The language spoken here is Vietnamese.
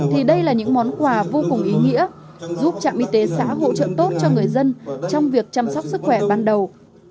thì đây là những món quà vô cùng ý nghĩa giúp trạm y tế xã hỗ trợ tốt cho người dân trong việc chăm sóc sức khỏe ban đầu